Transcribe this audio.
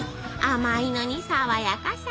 甘いのに爽やかさ。